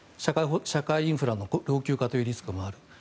社会インフラの老朽化というリスクもある。